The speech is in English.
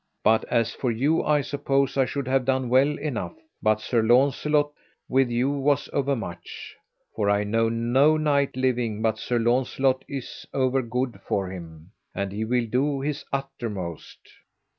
But, as for you, I suppose I should have done well enough, but Sir Launcelot with you was overmuch; for I know no knight living but Sir Launcelot is over good for him, an he will do his uttermost.